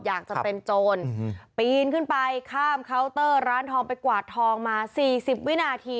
อยากจะเป็นโจรปีนขึ้นไปข้ามเคาน์เตอร์ร้านทองไปกวาดทองมา๔๐วินาที